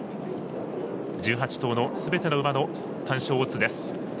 １８頭のすべての馬の単勝オッズです。